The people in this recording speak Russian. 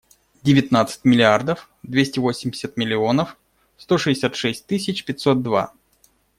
Девятнадцать миллиардов двести восемьдесят миллионов сто шестьдесят шесть тысяч пятьсот два.